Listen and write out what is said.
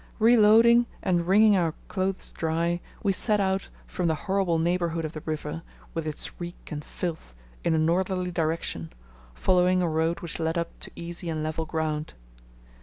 Reloading and wringing our clothes dry, we set out from the horrible neighbourhood of the river, with its reek and filth, in a northerly direction, following a road which led up to easy and level ground.